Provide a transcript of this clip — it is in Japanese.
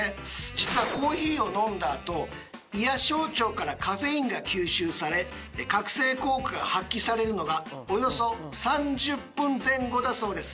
実はコーヒーを飲んだあと胃や小腸からカフェインが吸収され覚醒効果が発揮されるのがおよそ３０分前後だそうです。